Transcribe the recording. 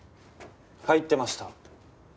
入ってました。